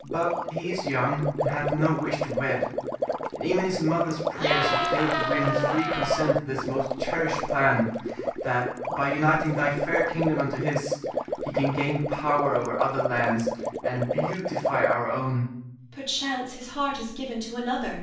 But he is young, and hath no wish to wed, and even his mother's prayers have failed to win his free consent to this most cherished plan, that by uniting thy fair kingdom unto his, he can gain power over other lands and beautify our own. Irene. Perchance his heart is given to another.